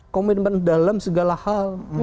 komitmen dalam segala hal